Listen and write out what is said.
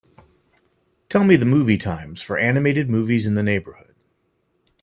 Tell me the movie times for animated movies in the neighborhood.